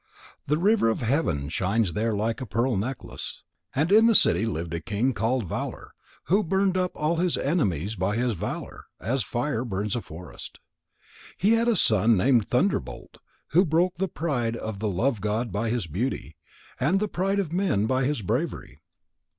The river of heaven shines there like a pearl necklace. And in the city lived a king called Valour who burned up all his enemies by his valour, as a fire burns a forest. He had a son named Thunderbolt who broke the pride of the love god by his beauty, and the pride of men by his bravery.